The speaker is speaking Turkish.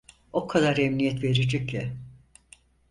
O kadar emniyet verici ki…